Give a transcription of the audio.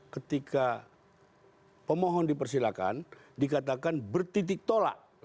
ketika pemohon dipersilakan dikatakan bertitik tolak